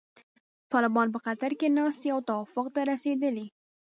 طالبان په قطر کې ناست دي او توافق ته رسیدلي.